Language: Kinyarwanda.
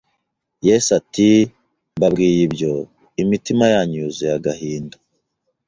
Yesu ati’’ mbabwiye ibyo, imitima yanyu yuzuye agahinda.